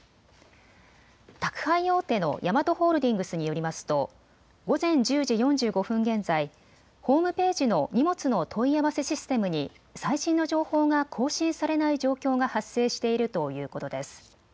宅配大手のヤマトホールディングスによりますと午前１０時４５分現在、ホームページの荷物の問い合わせシステムに最新の情報が更新されない状況が発生しているということです。